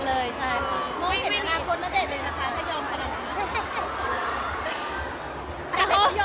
ไม่เห็นอนาคตนาแดดเลยนะคะถ้ายอมขนาดนั้น